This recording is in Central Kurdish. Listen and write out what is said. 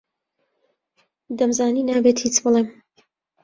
دەمزانی نابێت هیچ بڵێم.